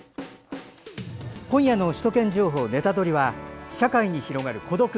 今夜の「首都圏情報ネタドリ！」は社会に広がる孤独。